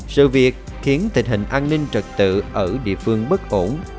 sự việc khiến tình hình an ninh trật tự ở địa phương bất ổn